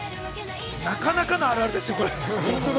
なかなかのあるあるですよ。